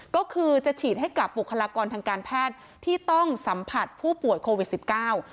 ก็คือจะฉีดให้กับบุคลากรทางการแพทย์ที่ต้องสัมผัสผู้ป่วยโควิดสิบเก้า